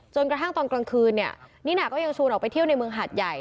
จนกระทั่งตอนกลางคืนเนี่ยนิน่าก็ยังชวนออกไปเที่ยวในเมืองหาดใหญ่